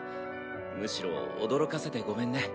むしろ驚かせてごめんね。